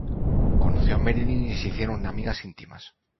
Conoció a Marilyn y se hicieron amigas íntimas.